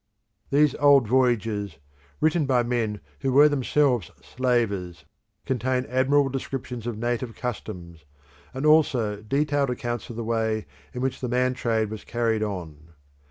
These old voyages, written by men who were themselves slavers, contain admirable descriptions of native customs, and also detailed accounts of the way in which the man trade was carried on.